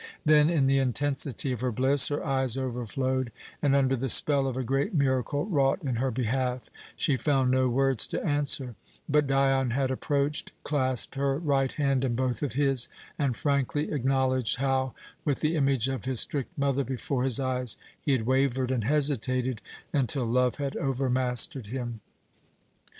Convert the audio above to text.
Then, in the intensity of her bliss, her eyes overflowed and, under the spell of a great miracle wrought in her behalf, she found no words to answer; but Dion had approached, clasped her right hand in both of his, and frankly acknowledged how, with the image of his strict mother before his eyes, he had wavered and hesitated until love had overmastered him.